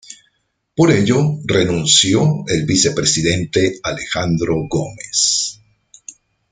Por ello renunció el vicepresidente Alejandro Gómez.